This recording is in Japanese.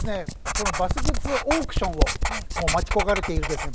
このバスグッズ・オークションをもう待ち焦がれているですね